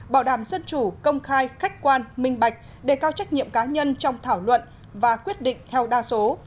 bảo đảm dân chủ công khai khách quan minh bạch đề cao trách nhiệm cá nhân trong thảo luận và quyết định theo đa số